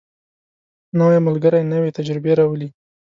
نوی ملګری نوې تجربې راولي